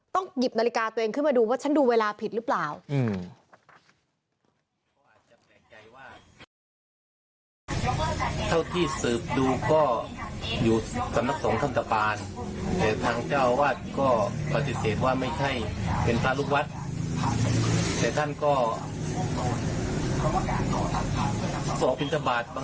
หยิบนาฬิกาตัวเองขึ้นมาดูว่าฉันดูเวลาผิดหรือเปล่า